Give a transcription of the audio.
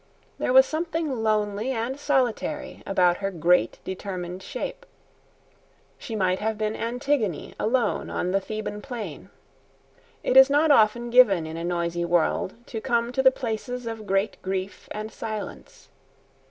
There was something lonely and solitary about her great determined shape. She might have been Antigone alone on the Theban plain. It is not often given in a noisy world to come to the places of great grief and silence.